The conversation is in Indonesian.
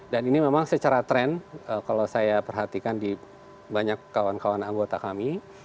dan ini memang secara trend kalau saya perhatikan di banyak kawan kawan anggota ini